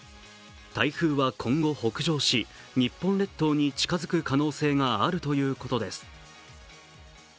台風は今後北上し、日本列島に近づく可能性があるということです。